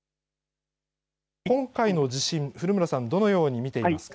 今回の地震、古村さん、どのように見ていますか。